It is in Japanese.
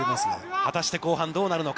果たして後半、どうなるのか。